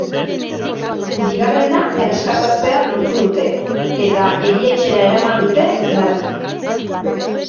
Bigarrena erreskatatzea lortu dute eta erietxera eraman dute, larri.